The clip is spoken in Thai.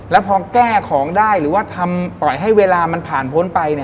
แล้วพอแก้ของได้หรือว่าทำปล่อยให้เวลามันผ่านพ้นไป